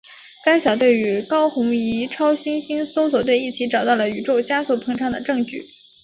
该小队与高红移超新星搜寻队一起找到了宇宙加速膨胀的证据。